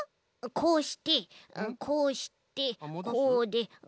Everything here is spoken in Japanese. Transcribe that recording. こうしてこうしてこうでこうして。